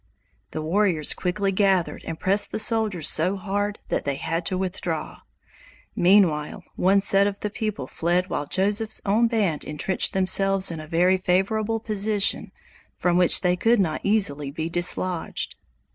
The warriors quickly gathered and pressed the soldiers so hard that they had to withdraw. Meanwhile one set of the people fled while Joseph's own band entrenched themselves in a very favorable position from which they could not easily be dislodged.